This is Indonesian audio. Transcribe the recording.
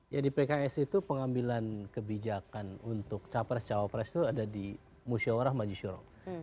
ya di pks itu pengambilan kebijakan untuk capres cawapres itu ada di musyawarah majisyuro